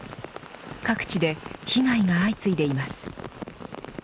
各地で被害が相次いでいます。